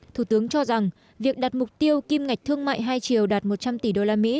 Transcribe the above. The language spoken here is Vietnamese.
thủ tướng cho rằng việc đặt mục tiêu kim ngạch thương mại hai triệu đạt một trăm linh tỷ usd